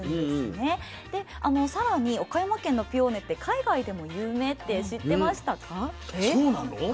でさらに岡山県のピオーネって海外でも有名って知ってましたか？